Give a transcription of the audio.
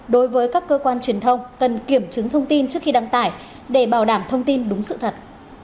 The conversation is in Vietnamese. đối với các cơ quan truyền thông cần kiểm chứng thông tin trước khi đăng tải để bảo đảm thông tin đúng sự thật